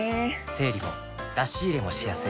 整理も出し入れもしやすい